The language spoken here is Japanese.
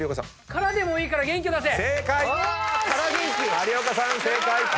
「カラでもいいから元気を出せ！」